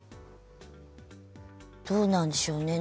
だから、どうなんでしょうね。